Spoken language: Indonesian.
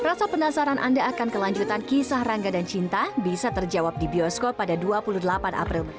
rasa penasaran anda akan kelanjutan kisah rangga dan cinta bisa terjawab di bioskop pada dua puluh delapan april